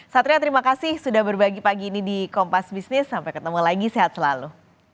satria terima kasih sudah berbagi pagi ini di kompas bisnis sampai ketemu lagi sehat selalu